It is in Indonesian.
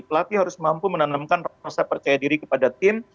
pelatih harus mampu menanamkan rasa percaya diri kepada tim